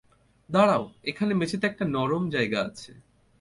দাঁড়াও, এখানে মেঝেতে একটা নরম জায়গা আছে।